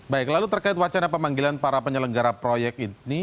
baik lalu terkait wacana pemanggilan para penyelenggara proyek ini